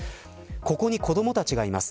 ここに子どもたちがいます。